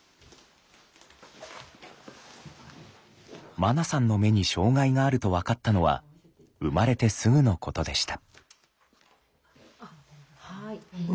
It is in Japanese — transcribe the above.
まなさんの目に障害があると分かったのは生まれてすぐのことでした。